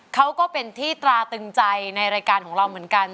เขาก็เป็นที่ตราตึงใจในรายการของเราเหมือนกัน